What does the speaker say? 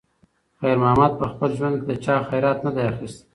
خیر محمد په خپل ژوند کې د چا خیرات نه دی اخیستی.